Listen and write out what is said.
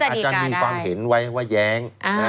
อาจารย์มีความเห็นไว้ว่าแย้ง